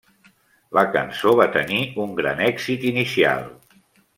La cançó va tenir un gran èxit inicial.